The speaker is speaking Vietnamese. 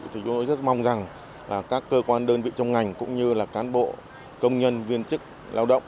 chúng tôi rất mong rằng các cơ quan đơn vị trong ngành cũng như là cán bộ công nhân viên chức lao động